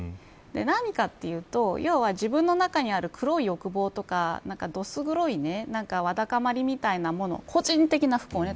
何かというと要は自分の中にある黒い欲望とかどす黒いわだかまりみたいなもの個人的な不幸ね。